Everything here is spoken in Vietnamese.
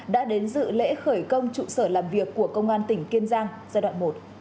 đã đến dự lễ khởi công trụ sở làm việc của công an tỉnh kiên giang giai đoạn một